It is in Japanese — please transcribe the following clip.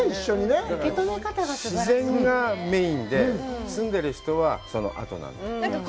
自然がメインで、住んでる人はそのあとなんだ。